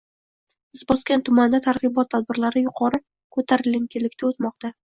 Izboskan tumanida targ‘ibot tadbirlari yuqori ko‘tarinkilikda o‘tmoqda